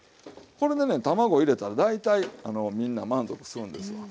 これでね卵入れたら大体みんな満足するんですわ。